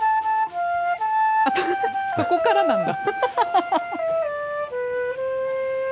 そこからなんだ。